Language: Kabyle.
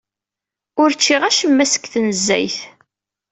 Ur ččiɣ acemma seg tnezzayt.